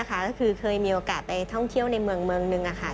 ก็คือเคยมีโอกาสไปเท้าเที่ยวในเมืองหนึ่งค่ะ